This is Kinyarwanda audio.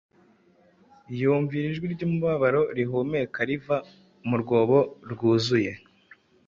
Yumva iri jwi ryumubabaro rihumeka riva mu rwobo rwuzuye. .